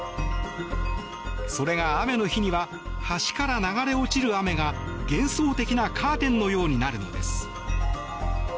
それが雨の日には橋から流れ落ちる雨が幻想的なカーテンのようになるのです。